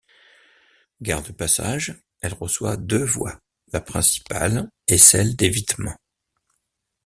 Gare de passage, elle reçoit deux voies, la principale et celle d'évitement.